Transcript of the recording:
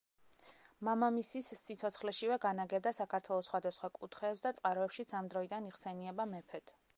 მამამისის სიცოცხლეშივე განაგებდა საქართველოს სხვადასხვა კუთხეებს და წყაროებშიც ამ დროიდან იხსენიება მეფედ.